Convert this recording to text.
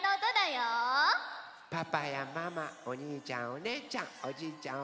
パパやママおにいちゃんおねえちゃんおじいちゃん